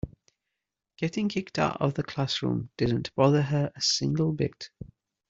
Getting kicked out of the classroom didn't bother her a single bit.